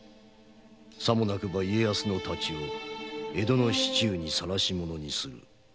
さもなくば家康の太刀を江戸の市中に晒しものにする。